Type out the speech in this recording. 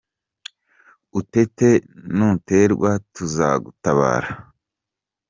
Utete nuterwa tuzagutabara